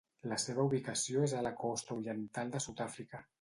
La seva ubicació és a la costa oriental de Sud-àfrica.